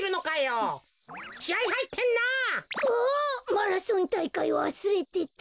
マラソンたいかいわすれてた。